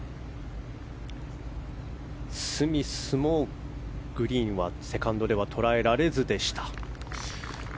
スミスもグリーンではセカンドでとらえられずでした。